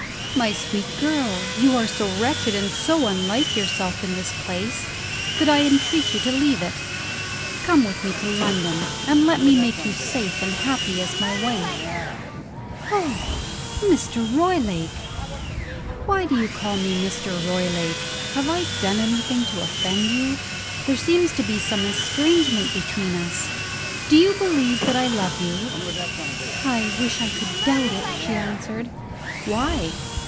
"My sweet girl, you are so wretched, and so unlike yourself, in this place, that I entreat you to leave it. Come with me to London, and let me make you safe and happy as my wife." "Oh, Mr. Roylake!" "Why do you call me, 'Mr Roylake'? Have I done anything to offend you? There seems to be some estrangement between us. Do you believe that I love you?" "I wish I could doubt it!" she answered. "Why?"